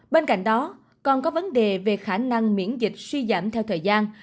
bên cạnh đó còn có vấn đề về khả năng miễn dịch suy giảm theo thời gian